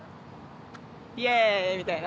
イェイみたいな！